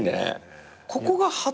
ここが初？